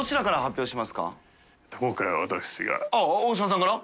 あっ大島さんから？